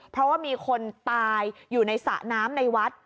เพราะว่ามีคนตายอยู่ในสระน้ำในวัด